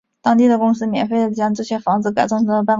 当地的公司免费地将这些屋子改造成办公室。